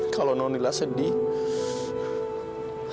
kalau nonila sedih